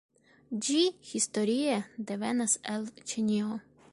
Ĝi historie devenas el Ĉinio.